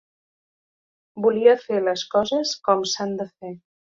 Volia fer les coses com s’han de fer.